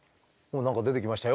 何か出てきましたよ。